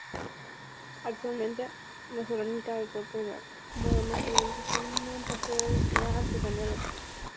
Actualmente, la cerámica, el cuero y la madera forman parte de la artesanía local.